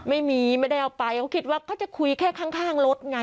ไม่ได้เอาไปเขาคิดว่าเขาจะคุยแค่ข้างรถไง